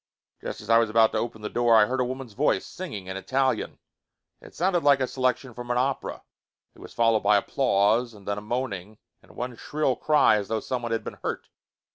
Just as I was about to open the door I heard a woman's voice singing in Italian; it sounded like a selection from an opera. It was followed by applause, and then a moaning, and one shrill cry, as though someone had been hurt.